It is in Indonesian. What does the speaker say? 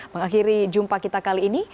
mengakhiri jumpa kita kali ini